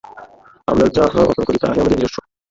আমরা যাহা অর্জন করি, তাহাই আমাদের নিজস্ব।